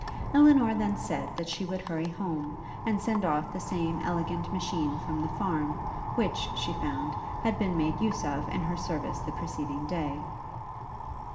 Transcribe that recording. Elinor then said that she would hurry home, and send off the same elegant machine from the farm, which, she found, had been made use of in her service the preceding day.